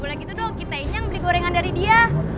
udah gitu dong kita ini yang beli gorengan dari dia